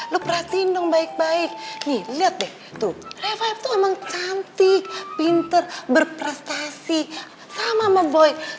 lu perhatiin dong baik baik lihat tuh cantik pinter berprestasi sama boy